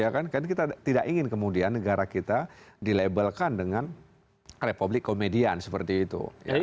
karena kita tidak ingin kemudian negara kita dilabelkan dengan republik komedian seperti itu